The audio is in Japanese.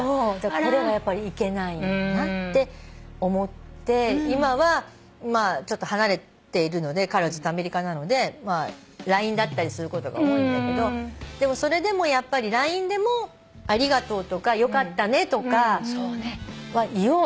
これはやっぱりいけないなって思って今はまあちょっと離れているので彼はずっとアメリカなのでまあＬＩＮＥだったりすることが多いんだけどでもそれでもやっぱりＬＩＮＥでもありがとうとかよかったねとかは言おうって。